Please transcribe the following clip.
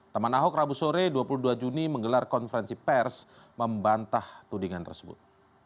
teman ahok rabu sore dua puluh dua juni menggelar konferensi pers membantah tudingan tersebut